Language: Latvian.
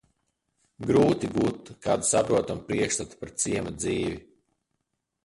Grūti gūt kādu saprotamu priekšstatu par ciema dzīvi.